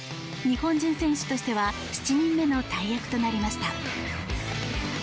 日本人選手としては７人目の大役となりました。